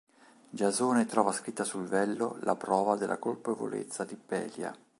Giasone trova scritta sul vello la prova della colpevolezza di Pelia.